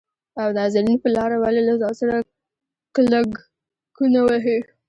او نازنين پلاره ! ولې له ځان سره کلګکونه وهې؟